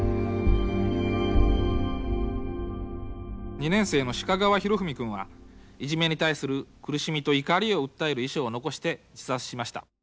２年生の鹿川裕史くんはいじめに対する苦しみと怒りを訴える遺書を残して自殺しました。